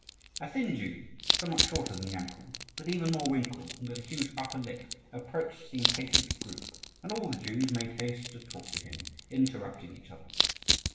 A thin Jew somewhat shorter than Yankel, but even more wrinkled, and with a huge upper lip, approached the impatient group; and all the Jews made haste to talk to him, interrupting each other.